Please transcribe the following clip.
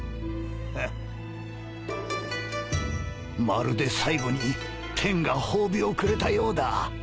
まるで最後に天が褒美をくれたようだ。